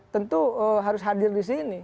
tentu harus hadir di sini